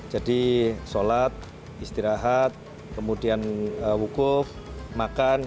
jadi sholat istirahat kemudian wukuf makan